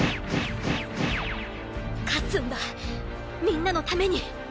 勝つんだみんなのために！